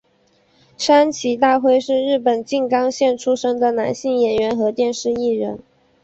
山崎大辉是日本静冈县出生的男性演员和电视艺人。